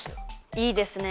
いいですね！